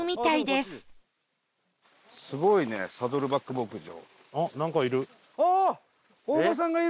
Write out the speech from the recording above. すごいねサドルバック牧場。